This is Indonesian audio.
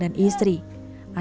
dan istri istrinya juga